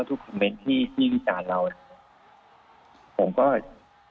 ทุกเบียบเน้อทุกจัดการถามขักทราย